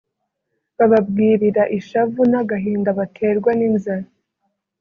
Bababwirira ishavu n’agahinda baterwa n’inzara